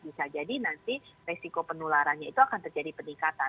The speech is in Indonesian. bisa jadi nanti resiko penularannya itu akan terjadi peningkatan